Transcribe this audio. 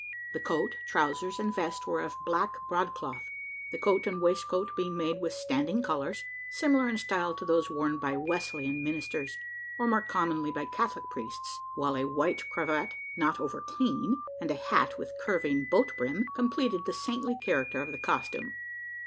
The coat, trousers, and vest were of black broad cloth the coat and waistcoat being made with standing collars, similar in style to those worn by Wesleyan ministers or more commonly by Catholic priests while a white cravat not over clean and a hat with curving boat brim, completed the saintly character of the costume.